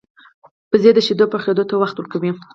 وزې د شیدو پخېدو ته وخت ورکوي